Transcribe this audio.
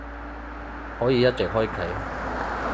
可以一直開啟